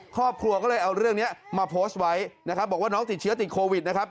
ครอบครัวก็เลยเอาเรื่องนี้มาโพสต์ไว้นะครับบอกว่าน้องติดเชื้อติดโควิดนะครับ